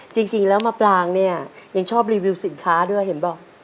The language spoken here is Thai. จริงแล้วมะปรางเนี่ยยังชอบรีวิวสินค้าด้วยเห็นบอก